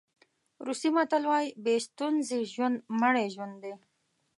روسي متل وایي بې ستونزې ژوند مړی ژوند دی.